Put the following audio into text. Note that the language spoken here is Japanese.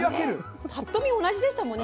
ぱっと見同じでしたもんね。